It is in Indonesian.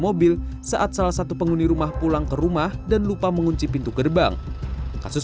mobil saat salah satu penghuni rumah pulang ke rumah dan lupa mengunci pintu gerbang kasus